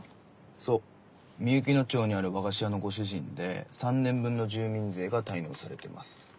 そうみゆきの町にある和菓子屋のご主人で３年分の住民税が滞納されてます。